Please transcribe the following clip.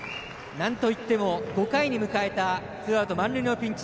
なんといっても５回に迎えたツーアウト、満塁のピンチ。